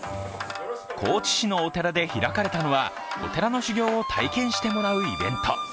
高知市のお寺で開かれたのはお寺の修行を体験してもらうイベント。